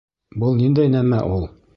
— Был ниндәй нәмә ул?